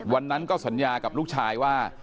วันนั้นก็สัญญากับลูกชายว่า